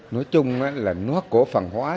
nói chung là nó cổ phần hóa